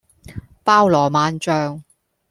包羅萬象